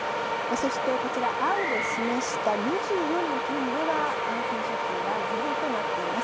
そしてこちら、青で示した２４の県では、感染者数はゼロとなっています。